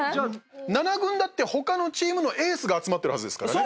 ７軍だって他のチームのエースが集まってるはずですからね。